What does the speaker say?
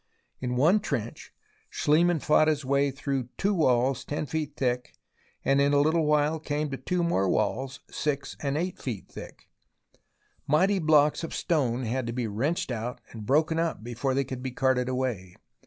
In one trench Schliemann fought his way through two walls 10 feet thick, and in a little while came to two more walls 6 and 8 feet thick. Mighty blocks of stone had to be wrenched out and broken up before they could be carted away.